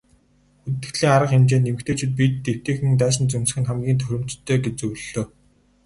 Хүндэтгэлийн арга хэмжээнд эмэгтэйчүүд биед эвтэйхэн даашинз өмсөх нь хамгийн тохиромжтой гэж зөвлөлөө.